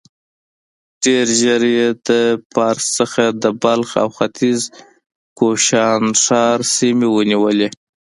ډېر ژر يې د پارس څخه د بلخ او ختيځ کوشانښار سيمې ونيولې.